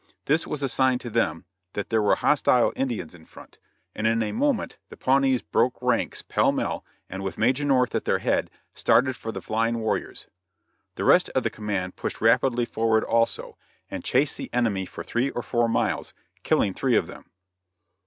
This was a sign to them that there were hostile Indians in front, and in a moment the Pawnees broke ranks pell mell and, with Major North at their head, started for the flying warriors. The rest of the command pushed rapidly forward also, and chased the enemy for three or four miles, killing three of them.